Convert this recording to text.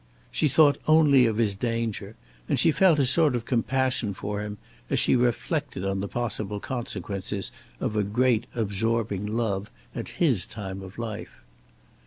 She thought only of his danger, and she felt a sort of compassion for him as she reflected on the possible consequences of a great, absorbing love at his time of life.